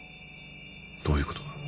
どういうことだ？